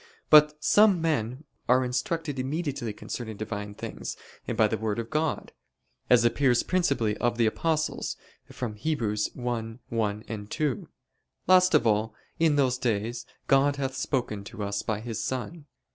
But some men are instructed immediately concerning Divine things by the Word of God; as appears principally of the apostles from Heb. 1:1, 2: "Last of all, in these days (God) hath spoken to us by His Son."